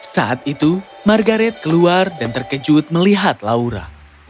saat itu margaret keluar dan terkejut melihat laura